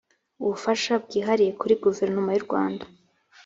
ubufasha bwihariye kuri guverinoma y u rwanda